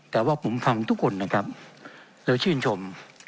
แต่ว่าผมฟังทุกคนนะครับแล้วชื่นชม